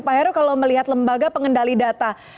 pak heru kalau melihat lembaga pengendali data